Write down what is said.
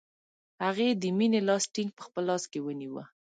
هغې د مینې لاس ټینګ په خپل لاس کې ونیوه